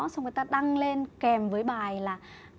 xong người ta đăng lên kèm với bài là